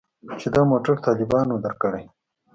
چې دا موټر طالبانو درکړى.